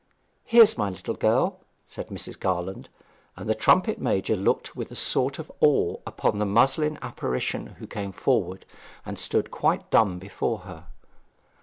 'Here's my little girl,' said Mrs. Garland, and the trumpet major looked with a sort of awe upon the muslin apparition who came forward, and stood quite dumb before her.